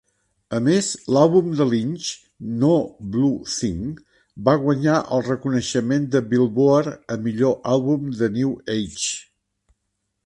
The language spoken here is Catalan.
A més, l'àlbum de Lynch "No Blue Thing" va guanyar el reconeixement de Billboard a "Millor àlbum de New Age".